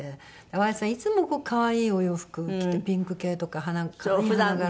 淡谷さんいつも可愛いお洋服を着てピンク系とか花柄とか。